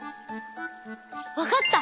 わかった！